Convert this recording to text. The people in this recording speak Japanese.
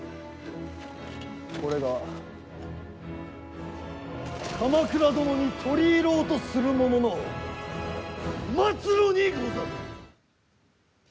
これが鎌倉殿に取り入ろうとする者の末路にござる！